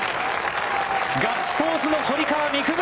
ガッツポーズの堀川未来